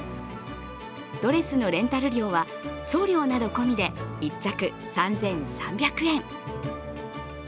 ドレスのレンタル料は送料など込みで１着３３００円。